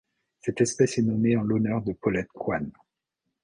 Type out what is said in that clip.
Cette espèce est nommée en l'honneur de Paulette Coine.